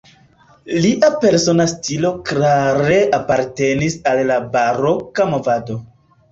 Lia persona stilo klare apartenis al la baroka movado.